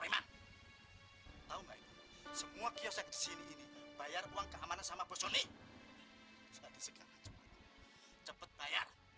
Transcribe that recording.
remang semua kiosk disini bayar uang keamanan sama bos nih cepet cepet bayar